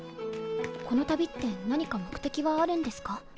この旅って何か目的があるんですか？